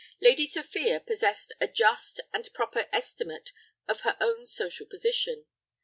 Lady Sophia possessed a just and proper estimate of her own social position.